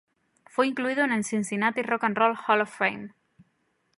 Fue incluido en el Cincinnati Rock and Roll Hall of Fame.